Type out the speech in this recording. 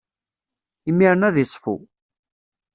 Imiren ad iṣfu.